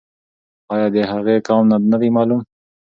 آیا د هغې قوم نه دی معلوم؟